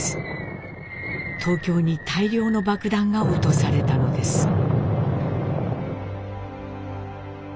東京に大量の爆弾が落とされたのです。